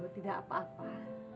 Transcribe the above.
bu tidak apa apa